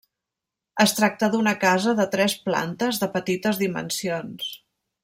Es tracta d'una casa de tres plantes de petites dimensions.